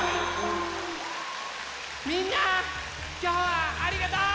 みんなきょうはありがとう！